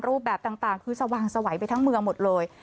รูปแบบต่างคือสว่างสวัยไปทั้งเมืองหมดเลย